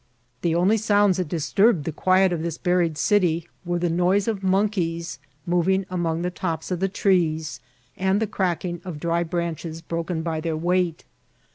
The only sounds that disturbed the quiet of this buried city were the noise of monkeys moving among the tops of the trees, and the cracking of dry branches broken by their weight.